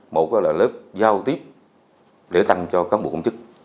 một là lớp giao tiếp để tăng cho cán bộ công chức